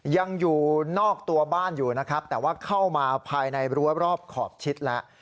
ยังอยู่นอกตัวบ้านอยู่นะครับแต่ว่าเข้ามาภายในรั้วรอบขอบชิดแล้ว